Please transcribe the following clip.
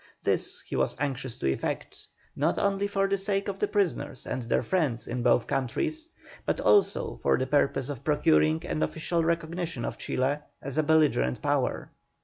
This he was anxious to effect, not only for the sake of the prisoners and their friends in both countries, but also for the purpose of procuring an official recognition of Chile as a belligerent power.